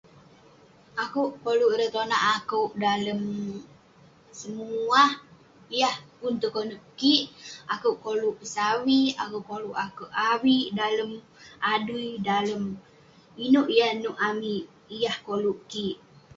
akouk koluk ireh tonak akouk dalem semuah yah pun tong konep kik, akouk koluk pesavik, akouk koluk akouk avik dalem adui, dalem inouk yah nouk amik, yah koluk kik